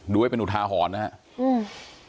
ดูให้เป็นอุทาหรณ์นะฮะอืม